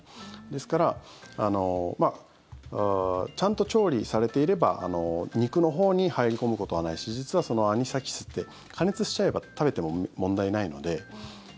ですからちゃんと調理されていれば肉のほうに入り込むことはないし実は、そのアニサキスって加熱しちゃえば食べても問題ないので。